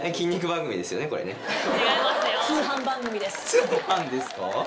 通販ですか⁉